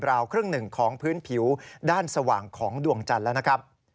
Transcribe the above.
ราวครึ่งหนึ่งของพื้นผิวด้านสว่างของดวงจันทร์แล้วนะครับ